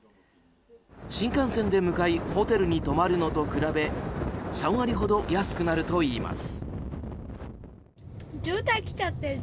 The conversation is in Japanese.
新幹線で向かいホテルに泊まるのと比べ３割ほど安くなるといいます。